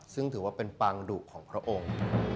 ซึ่งถือว่าเป็นปางดุของพระองค์